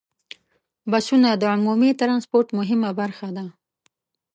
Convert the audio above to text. بسونه د عمومي ټرانسپورت مهمه برخه ده.